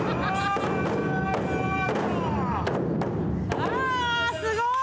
あすごい！